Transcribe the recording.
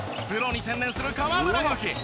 プロに専念する河村勇輝。